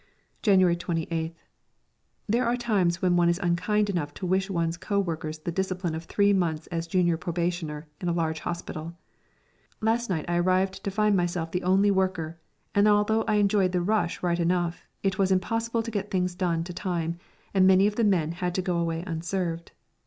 January 28th. There are times when one is unkind enough to wish one's co workers the discipline of three months as junior probationer in a large hospital. Last night I arrived to find myself the only worker, and although I enjoyed the rush right enough, it was impossible to get things done to time, and many of the men had to go away unserved.